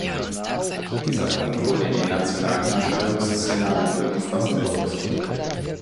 Dieser Punkt wurde in den nationalen Umstellungs-Szenarien umfassend berücksichtigt.